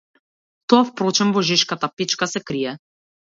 Тоа впрочем во жешката печка се крие.